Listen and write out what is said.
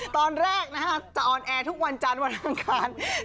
ตอนแรกนะฮะจะออนแอร์ทุกวันจันทร์วันอังคาร